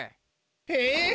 えっ